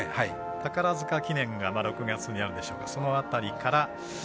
宝塚記念が６月にあるでしょうからその辺りから。